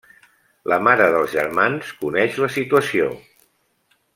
La mare dels germans coneix la situació.